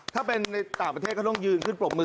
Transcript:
ถ้าเป็นในต่างประเทศเขาต้องยืนขึ้นปรบมือ